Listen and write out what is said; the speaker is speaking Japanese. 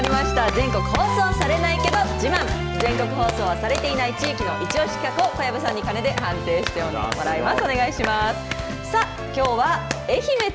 全国放送されないけど自慢全国放送されないけど地域のいち押し企画を小籔さんに鐘で判定してもらいます。